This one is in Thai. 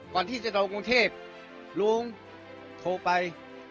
ก่อนที่จะโดนกรุงเทพลุงโทรไป